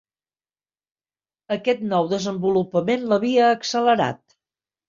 Aquest nou desenvolupament l'havia accelerat.